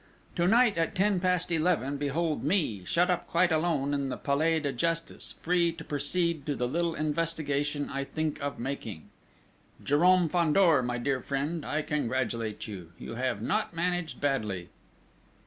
To night at ten past eleven behold me, shut up quite alone in the Palais de Justice, free to proceed to the little investigation I think of making.... Jérôme Fandor, my dear friend, I congratulate you! You have not managed badly!...